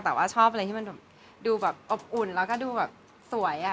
แต่ชอบเลยที่มันดูอบอุ่นแล้วดูต้นสวย